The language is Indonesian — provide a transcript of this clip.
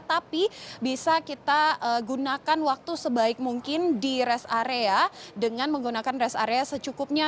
tapi bisa kita gunakan waktu sebaik mungkin di rest area dengan menggunakan rest area secukupnya